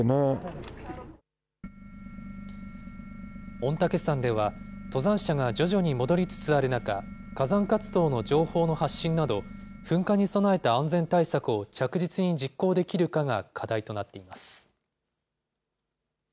御嶽山では、登山者が徐々に戻りつつある中、火山活動の情報の発信など、噴火に備えた安全対策を着実に実行できるかが課題となっています。